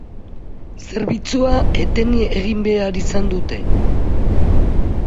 Zerbitzua eten egin behar izan dute.